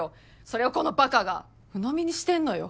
それをこのバカが鵜呑みにしてんのよ。